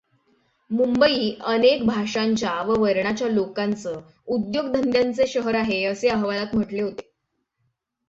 मुंबई अनेक भाषांच्या व वर्णाच्या लोकांचं, उद्योगधंद्याचे शहरआहे असे अहवालात म्हटले होते.